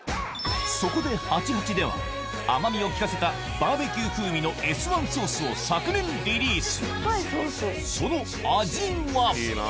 そこで「８８」では甘みを利かせたバーベキュー風味のＳ１ソースを昨年リリースその味は？